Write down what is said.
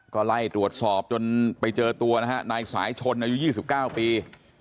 ก็ไล่ตรวจสอบจนไปเจอตัวนะฮะนายสายชนอายุ๒๙ปี